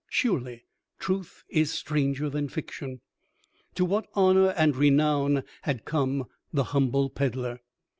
Surely truth is stranger than fiction! To what honor and renown had come the humble peddler!